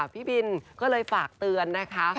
พี่บินก็เลยฝากเตือนนะคะ